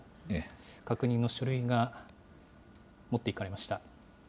確認の書類が持っていかれました。